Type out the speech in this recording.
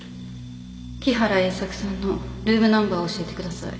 木原栄作さんのルームナンバーを教えてください。